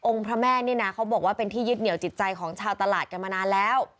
พระแม่นี่นะเขาบอกว่าเป็นที่ยึดเหนียวจิตใจของชาวตลาดกันมานานแล้ว